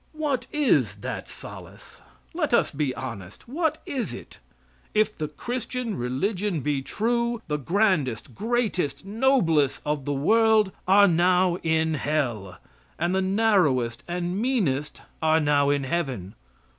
What is that solace? Let us be honest. What is it? If the Christian religion be true, the grandest, greatest, noblest of the world are now in hell, and the narrowest and meanest are now in heaven.